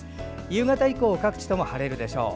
夕方以降各地とも晴れるでしょう。